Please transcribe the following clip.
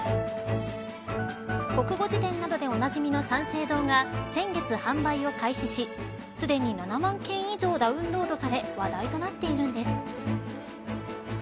国語辞典などでおなじみの三省堂が先月販売を開始しすでに７万件以上ダウンロードされ話題となっているんです。